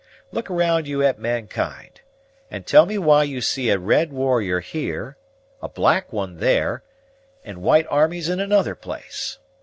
Look around you at mankind, and tell me why you see a red warrior here, a black one there, and white armies in another place?